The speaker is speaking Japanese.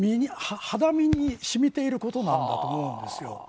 肌身に染みていることなんだと思うんです。